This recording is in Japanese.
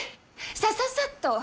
さささっと！